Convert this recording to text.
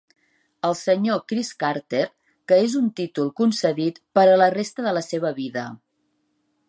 El Sr. Chris Carter, que és un títol concedit per a la resta de la seva vida.